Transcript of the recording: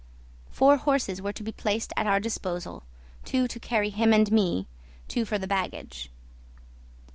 Four horses were to be placed at our disposal two to carry him and me, two for the baggage.